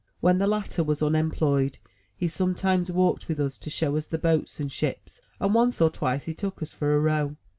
When the latter was unemployed, he sometimes walked with us to show us the boats and ships, and once or twice he took us for a row.